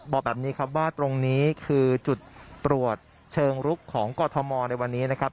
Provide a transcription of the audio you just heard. บอกแบบนี้ครับว่าตรงนี้คือจุดตรวจเชิงลุกของกรทมในวันนี้นะครับ